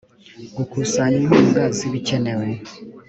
gukusanya inkunga z ibikenewe